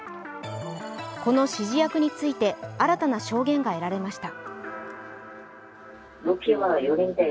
この指示役について新たな証言が得られました。